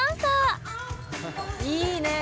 いいねえ。